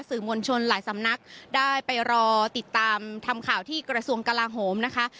มวลชนหลายสำนักได้ไปรอติดตามทำข่าวที่กระทรวงกลาโหมนะคะ